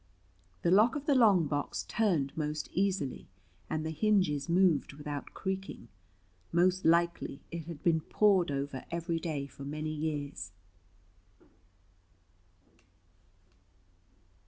The lock of the long box turned most easily, and the hinges moved without creaking: most likely it had been pored over every day, for many years.